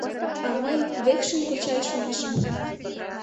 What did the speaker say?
— А мый, Векшин кочай, шонышым...